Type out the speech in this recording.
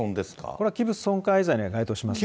これは器物損壊罪には該当しますね。